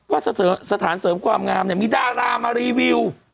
สถานเสริมความงามเนี่ยมีดารามารีวิว